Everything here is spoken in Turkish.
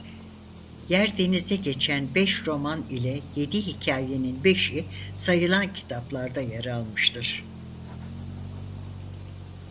Yerdeniz'de geçen beş roman ile yedi hikâyenin beşi sayılan kitaplarda yer almıştır.